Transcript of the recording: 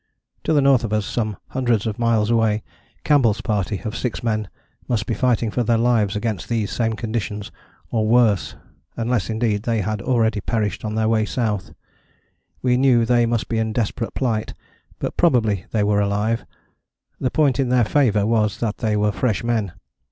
To the north of us, some hundreds of miles away, Campbell's party of six men must be fighting for their lives against these same conditions, or worse unless indeed they had already perished on their way south. We knew they must be in desperate plight, but probably they were alive: the point in their favour was that they were fresh men.